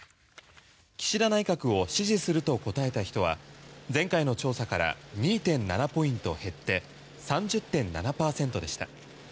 岸田内閣を支持すると答えた人は前回の調査から２．７ポイント減って３０．７％でした。